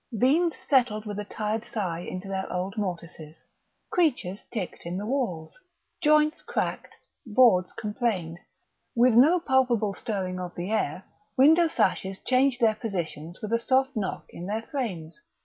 Beams settled with a tired sigh into their old mortices; creatures ticked in the walls; joints cracked, boards complained; with no palpable stirring of the air window sashes changed their positions with a soft knock in their frames.